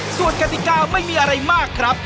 ส่วนกติกาไม่มีอะไรมากครับ